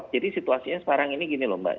jadi situasinya sekarang ini gini loh mbak